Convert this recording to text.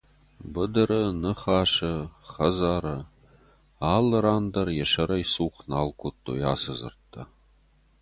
Быдыры, Ныхасы, хӕдзары — алыран дӕр йӕ сӕрӕй цух нал кодтой ацы дзырдтӕ.